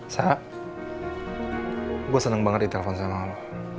sa gue seneng banget ditelepon sama lu